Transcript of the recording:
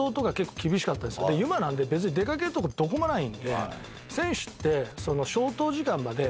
ユマなんて出かけるとこどこもないんで選手って。